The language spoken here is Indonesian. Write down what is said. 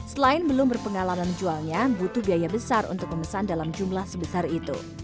selain belum berpengalaman jualnya butuh biaya besar untuk memesan dalam jumlah sebesar itu